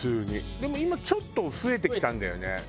でも今ちょっと増えてきたんだよねうん。